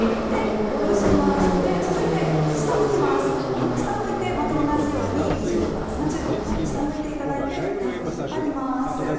下ろしまして、続いて下を向いてまた同じように２０度から３０度斜め下を向いてタオルを引っ張ります。